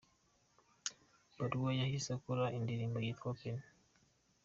baruwa yahise akora indirimbo yitwa "Open.